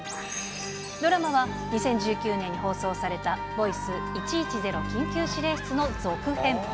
ドラマは２０１９年に放送されたボイス１１０緊急指令室の続編。